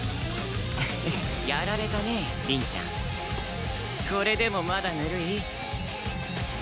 ハハやられたね凛ちゃん。これでもまだぬるい？